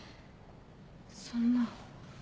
そんな。